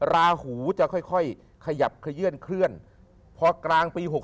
ราหูจะค่อยขยับขยื่นเคลื่อนพอกลางปี๖๖